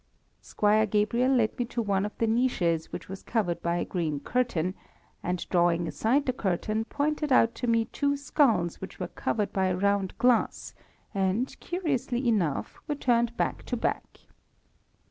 Squire Gabriel led me to one of the niches which was covered by a green curtain, and drawing aside the curtain, pointed out to me two skulls which were covered by a round glass, and, curiously enough, were turned back to back.